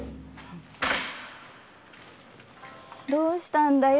どうしたんだよ。